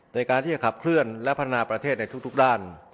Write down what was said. ในการที่จะขับเคลื่อนและพัฒนาประเทศในทุกด้าน